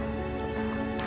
semoga ini benar